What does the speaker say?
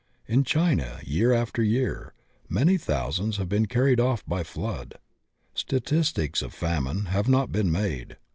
In China year after year many thousands have been carried off by flood. Statistics of famine have not been made.